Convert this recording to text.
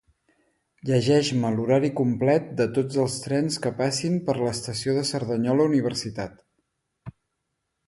Llegeix-me l'horari complet de tots els trens que passin per l'estació de Cerdanyola-Universitat.